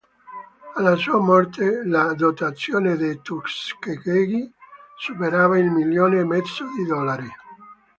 Alla sua morte la dotazione di Tuskegee superava il milione e mezzo di dollari.